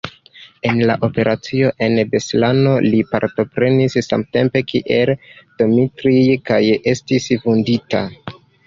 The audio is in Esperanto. En la operaco en Beslano li partoprenis samtempe kiel Dmitrij kaj estis vundita.